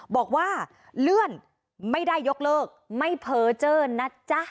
บอกว่าเลื่อนไม่ได้ยกเลิกไม่เพอร์เจอร์นะจ๊ะ